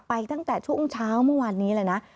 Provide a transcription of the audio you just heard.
ตั้งแต่ช่วงเช้าเมื่อวานนี้เลยนะ